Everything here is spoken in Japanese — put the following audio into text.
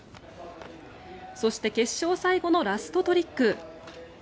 そして決勝最後のラストトリック。